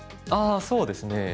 そうですね。